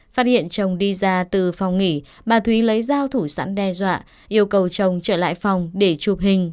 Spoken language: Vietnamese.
phát hiện chồng đi ra từ phòng nghỉ bà thúy lấy dao thủ sẵn đe dọa yêu cầu chồng trở lại phòng để chụp hình